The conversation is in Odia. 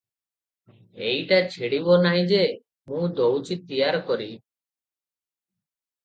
ଏଟା ଛିଡ଼ିବ ନାହିଁ ଯେ- ମୁଁ ଦଉଚି ତିଆର କରି ।"